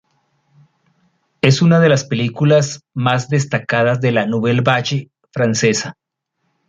Es una de las películas más destacadas de la "nouvelle vague" francesa.